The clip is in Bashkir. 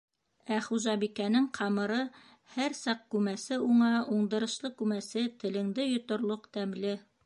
Ә хужабикәнең ҡамыры һәр саҡ күмәсе уңа, уңдырышлы, күмәсе телеңде йоторлоҡ тәмле!